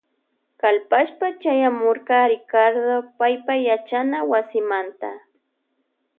Kalpashpa chayamurka Ricardo paypa yachana wasimanta.